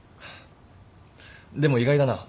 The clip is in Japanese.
でも意外だな。